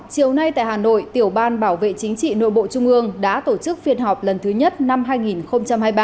chiều nay tại hà nội tiểu ban bảo vệ chính trị nội bộ trung ương đã tổ chức phiên họp lần thứ nhất năm hai nghìn hai mươi ba